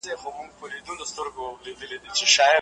ډاکټر د مرګ خطر یادوي.